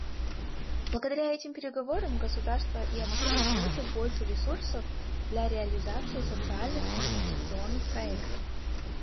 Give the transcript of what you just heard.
Благодаря этим переговорам государство и общины получат больше ресурсов для реализации социальных инвестиционных проектов.